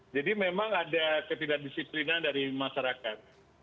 jadi memang ada ketidakdisiplinan dari masyarakat